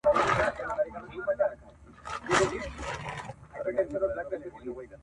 • زه قاسم یار چي تل ډېوه ستایمه.